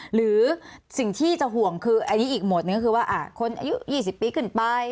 หรือสิ่งที่จะห่วงอีกหมวดนึงคือคนอายุ๒๐ปีขึ้นไป